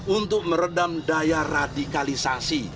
untuk meredam daya radikalisasi